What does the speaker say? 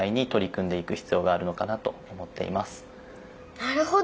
なるほど！